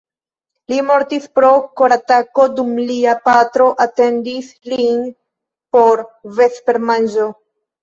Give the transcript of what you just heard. Li mortis pro koratako dum lia patro atendis lin por vespermanĝo.